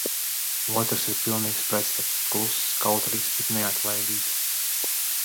Otrs ir pilnīgs pretstats - kluss, kautrīgs, bet neatlaidīgs.